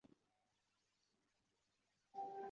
目前该组合主要以舞台剧表演为主。